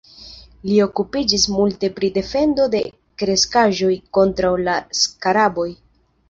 Li okupiĝis multe pri defendo de kreskaĵoj kontraŭ la skaraboj.